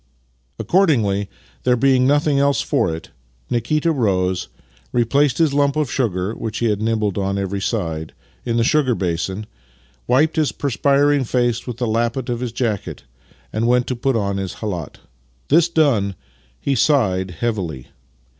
Accord ingly, there being nothing else for it, Nikita rose, re placed his lump of sugar (which he had nibbled on every side) in the sugar basin, wiped his perspiring face with the lappet of his jacket, and went to put on his khalat. This done, he sighed heavily.